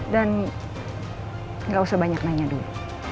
dan gak usah banyak nanya dulu